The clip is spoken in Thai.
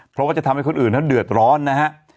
เพราะว่าจะทำให้คนอื่นเขาเดือดร้อนนะฮะ